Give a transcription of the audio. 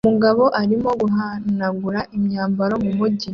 Umugabo urimo guhanagura imyanda mumujyi